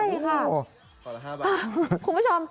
ออกละ๕บาทคุณผู้ชม